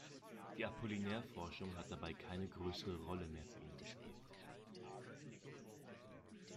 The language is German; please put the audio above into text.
Die Apollinaire-Forschung hat dabei keine größere Rolle mehr für ihn gespielt.